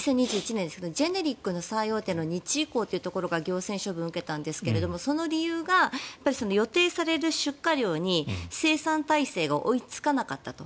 ジェネリックの最大手の日医工というところが行政処分を受けたんですけどその理由が予定される出荷量に生産体制が追いつかなかったと。